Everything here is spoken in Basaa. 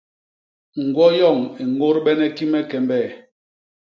Ñgwo yoñ i ñôdbene ki me kembe?